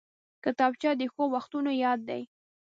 کتابچه د ښو وختونو یاد دی